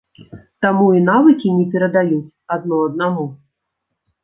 Таму і навыкі не перадаюць адно аднаму.